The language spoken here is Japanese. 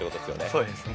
そうですね。